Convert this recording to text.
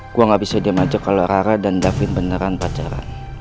gua gak bisa diam aja kalo rara dan davin beneran pacaran